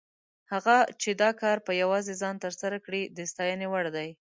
هغه چې دا کار په یوازې ځان تر سره کړی، د ستاینې وړ دی.